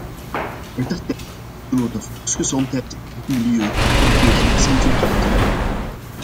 Mettertijd zullen we de volksgezondheid en het milieu wel degelijk zien verbeteren.